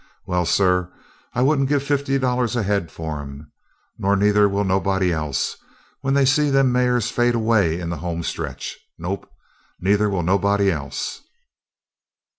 Well, sir, I wouldn't give fifty dollars a head for 'em. Nor neither will nobody else when they see them mares fade away in the home stretch; nope, neither will nobody else."